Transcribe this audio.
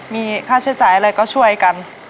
มีค่าใช้จ่ายอะไรก็ช่วยกัน